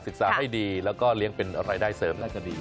ศึกษาให้ดีแล้วก็เลี้ยงเป็นรายได้เสริมแล้วก็ดี